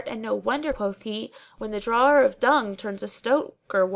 'And no wonder,' quoth he * 'When the drawer of dung turns a stoker wight.'